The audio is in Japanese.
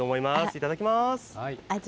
いただきます。